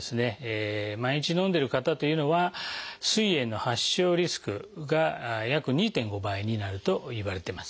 毎日飲んでる方というのはすい炎の発症リスクが約２．５倍になるといわれてます。